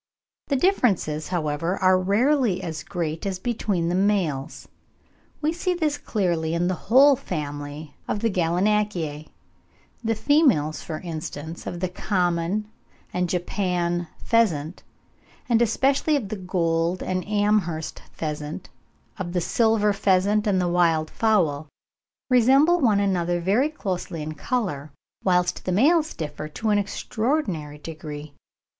The differences, however, are rarely as great as between the males. We see this clearly in the whole family of the Gallinaceae: the females, for instance, of the common and Japan pheasant, and especially of the gold and Amherst pheasant —of the silver pheasant and the wild fowl—resemble one another very closely in colour, whilst the males differ to an extraordinary degree.